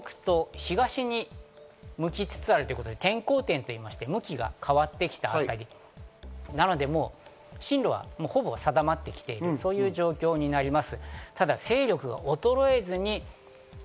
東に向きつつあるということで、転向点と言いまして、向きが変わってきたあたりなので、進路はほぼ定まってきているという状況になります。